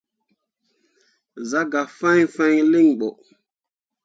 Zah gah fãi fãi linɓo.